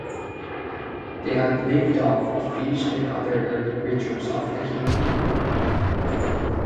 They had lived off of fish and other early creatures of Tahiti.